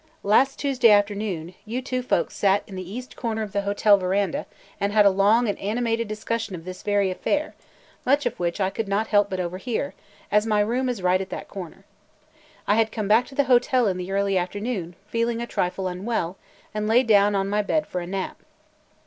Last Tuesday afternoon, you two folks sat in the east corner of the hotel veranda and had a long and animated discussion of this very affair, much of which I could not help but overhear, as my room is right at that corner. I had come back to the hotel in the early afternoon, feeling a trifle unwell, and lay down on my bed for a nap.